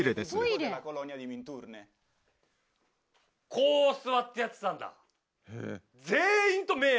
こう座ってやってたんだ？